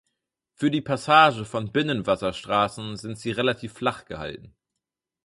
Für die Passage von Binnenwasserstraßen sind sie relativ flach gehalten.